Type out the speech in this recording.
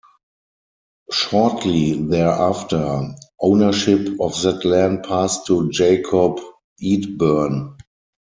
Shortly thereafter, ownership of that land passed to Jacob Edeburn.